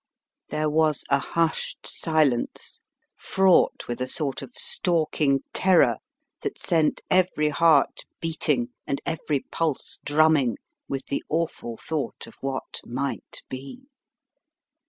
There was a hushed silence fraught with a sort of stalking terror that sent every heart beating and every pulse drumming with the awful thought of what might be.